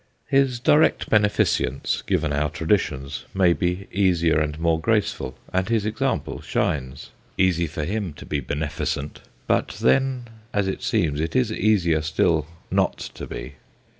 His direct beneficence given our traditions may be THE LAST LORD EGREMONT 129 easier and more graceful, and his example shines. Easy for him to be beneficent, but then, as it seems, it is easier still not to be.